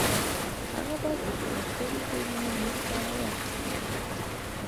هغه باید خپله کړې څېړنه موږ ته راواستوي.